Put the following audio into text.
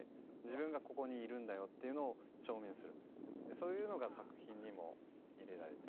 そういうのが作品にも入れられて。